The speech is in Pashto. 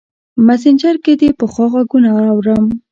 مسینجر کې دې پخوا غـــــــږونه اورم